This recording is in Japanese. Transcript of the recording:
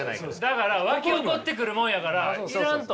だからわき起こってくるもんやから要らんと。